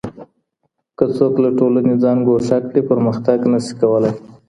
که څوک له ټولني ځان ګوښه کړي پرمختګ نه سي کولای.